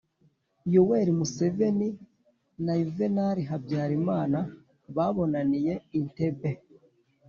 yoweri museveni na yuvenali habyarimana babonaniye entebbe.